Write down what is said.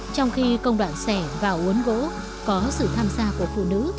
trong khi công đoạn xẻ và uốn gỗ có sự tham gia của phụ nữ